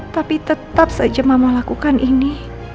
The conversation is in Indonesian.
tapi tetap saja mama lakukan ini